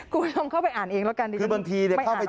กูลองเข้าไปอ่านเองแล้วกันดีกว่าไม่อ่านออกกลาง